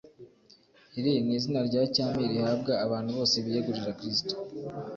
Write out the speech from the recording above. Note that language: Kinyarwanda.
Iri ni izina rya cyami rihabwa abantu bose biyegurira Kristo.